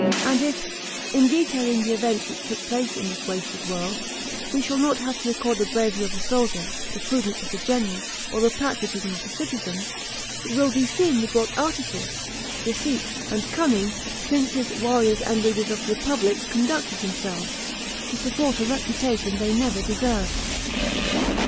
And if, in detailing the events which took place in this wasted world, we shall not have to record the bravery of the soldier, the prudence of the general, or the patriotism of the citizen, it will be seen with what artifice, deceit, and cunning, princes, warriors, and leaders of republics conducted themselves, to support a reputation they never deserved.